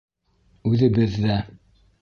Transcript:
Үҙебеҙ ҙә.